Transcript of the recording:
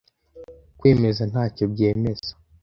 Kwemeza ntacyo byemeza.